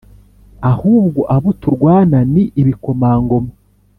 ahubwo abo turwana ni Ibikomangoma